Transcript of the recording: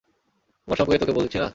আমার সম্পর্কে তোকে বলেছি না?